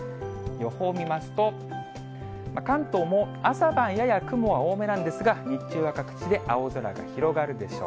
予報見ますと、関東も朝晩やや雲は多めなんですが、日中は各地で青空が広がるでしょう。